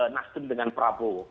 nasdem dengan prabowo